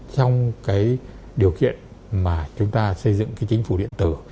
trong cái điều kiện mà chúng ta xây dựng cái chính phủ điện tử